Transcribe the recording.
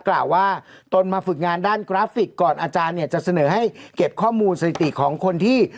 กล่าวว่าตนมาฝึกงานด้านกราฟิกก่อนอาจารย์เนี่ยจะเสนอให้เก็บข้อมูลสถิติของคนที่